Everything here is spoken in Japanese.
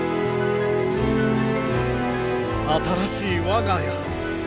新しい我が家。